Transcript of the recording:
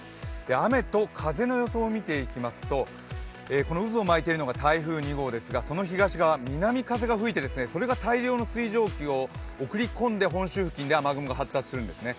雨と風の予想を見ていきますと渦を巻いているのが台風２号ですが、その東側南風が吹いてそれが大量の水蒸気を送り込んで本州付近で雨雲が発達するんですね。